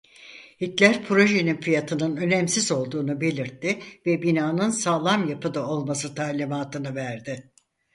Hitler projenin fiyatının önemsiz olduğunu belirtti ve binanın sağlam yapıda olması talimatını verdi.